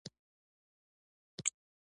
تاسو ښه دوست یاست